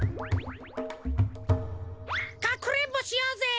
かくれんぼしようぜ。